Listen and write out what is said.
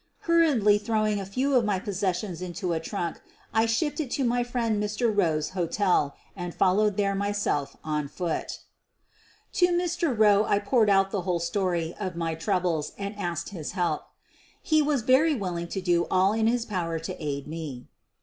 Hurriedly throwing a few of my possessions into a trunk I shipped it to my friend Mr. Rowe's hotel and followed there my self on foot. To Mr. Eowe I poured out the whole story of my troubles and asked his help. He was very willing to do all in his power to aid me.